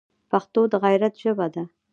پښتو د غیرت ژبه ده